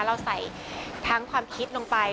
เราใส่ทั้งความคิดลงไป